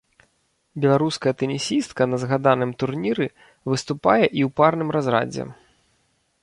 Беларуская тэнісістка на згаданым турніры выступае і ў парным разрадзе.